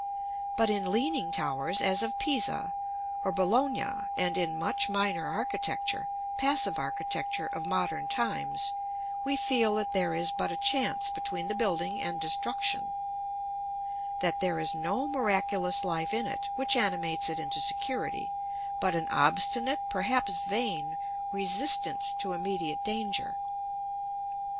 But in leaning towers, as of Pisa or Bologna, and in much minor architecture, passive architecture, of modern times, we feel that there is but a chance between the building and destruction; that there is no miraculous life in it, which animates it into security, but an obstinate, perhaps vain, resistance to immediate danger.